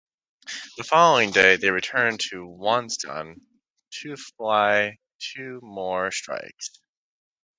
The following day they returned to Wonsan two fly two more strikes.